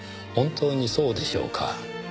本当にそうでしょうか？